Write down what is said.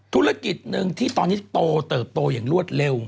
ธุรกิจหนึ่งที่ตอนนี้โตเติบโตอย่างรวดเร็ว